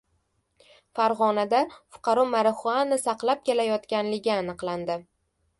Farg‘onada fuqaro “marixuana” saqlab kelayotganligi aniqlandi